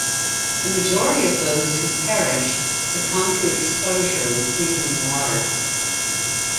The majority of those who perished succumbed to exposure in the freezing water.